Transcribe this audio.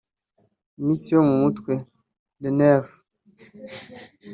iminsi yo mu mutwe (les nerfs )